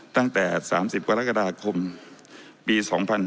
ตั้งแต่๓๐กรกฎาคมปี๒๕๕๙